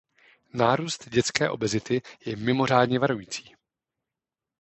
Nárůst dětské obezity je mimořádně varující.